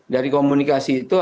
dari komunikasi itu